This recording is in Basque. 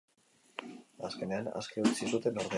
Azkenean aske utzi zuten ordea.